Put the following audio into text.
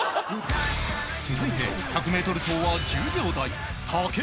続いて１００メートル走は１０秒台